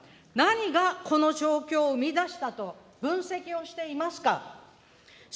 何がこの状況を生み出したと分析をしていますか。